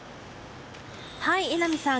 榎並さん